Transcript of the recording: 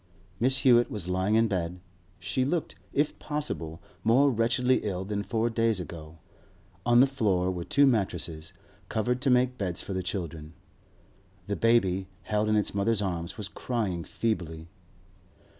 Mrs. Hewett was lying in bed; she looked, if possible, more wretchedly ill than four days ago. On the floor were two mattresses, covered to make beds for the children. The baby, held in its mother's arms, was crying feebly.